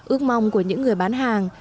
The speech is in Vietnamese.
ước mong của những người bán hàng